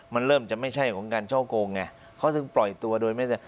มันเริ่มจะไม่ใช่ของการช่อโกงไงเขาถึงปล่อยตัวโดยไม่ได้